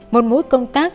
một mũi công tác